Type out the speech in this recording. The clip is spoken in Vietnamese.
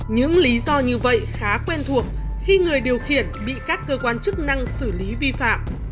những lý do như vậy khá quen thuộc khi người điều khiển bị các cơ quan chức năng xử lý vi phạm